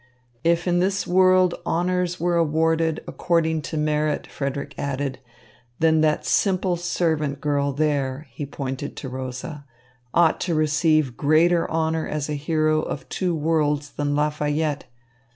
"If in this world honours were awarded according to merit," Frederick added, "then that simple servant girl there" he pointed to Rosa "ought to receive greater honour as a hero of two worlds than Lafayette.